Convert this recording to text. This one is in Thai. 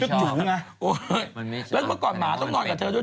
แล้วเมื่อก่อนหมาต้องนอนกับเธอด้วย